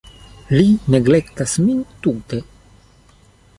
Li neglektas min tute.